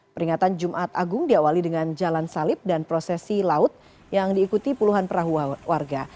peringatan jumat agung diawali dengan jalan salib dan prosesi laut yang diikuti puluhan perahu warga